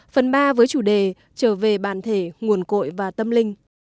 phần ba với chủ đề trở về bàn thể nguồn cội và tâm linh